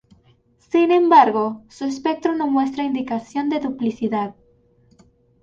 Sin embargo, su espectro no muestra indicación de duplicidad.